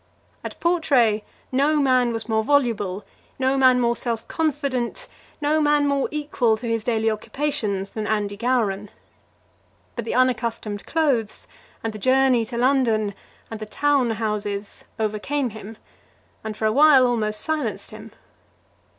At Portray no man was more voluble, no man more self confident, no man more equal to his daily occupations than Andy Gowran; but the unaccustomed clothes, and the journey to London, and the town houses overcame him, and for a while almost silenced him.